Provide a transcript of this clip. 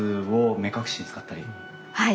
はい。